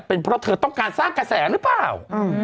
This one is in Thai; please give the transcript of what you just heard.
เป็นเพราะเธอต้องการสร้างกระแสหรือเปล่า